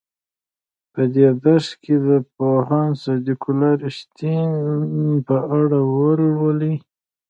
په دې درس کې د پوهاند صدیق الله رښتین په اړه ولولئ.